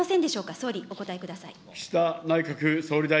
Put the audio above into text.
総理、お答えください。